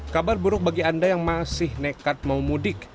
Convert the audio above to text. kabar buruk bagi anda yang masih nekat mau mudik